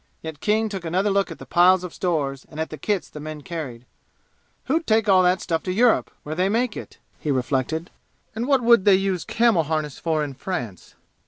Yet King took another look at the piles of stores and at the kits the men carried. "Who'd take all that stuff to Europe, where they make it?" he reflected. "And what 'u'd they use camel harness for in France?"